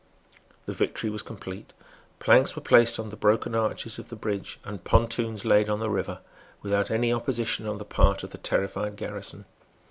The victory was complete. Planks were placed on the broken arches of the bridge and pontoons laid on the river, without any opposition on the part of the terrified garrison.